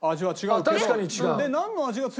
あっ確かに違う。